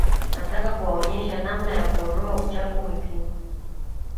Nataka kuwaonyesha namna ya kuondoa uchafu mwilini